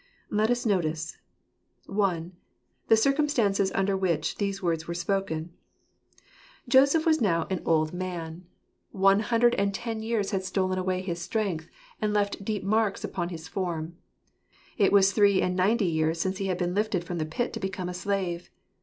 Let us notice — I.— The Circumstances under which these Words were Spoken. Joseph was now an old man. One 180 loacplr's ?aat gap attir gcatlj. hundred and ten years had stolen away his strength, and left deep marks upon his form. It was three and ninety years since he had been lifted from the pit to become a slave.